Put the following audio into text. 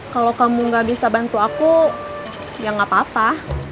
kalau kamu gak bisa bantu aku ya nggak apa apa